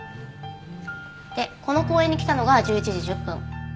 でこの公園に来たのが１１時１０分。